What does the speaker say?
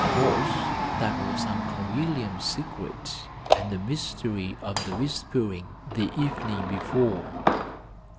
Of course that was Uncle William's secret, and the mystery of the whispering the evening before.